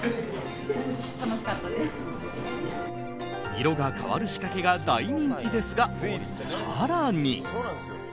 色が変わる仕掛けが大人気ですが、更に。